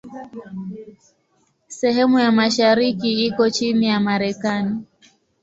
Sehemu ya mashariki iko chini ya Marekani.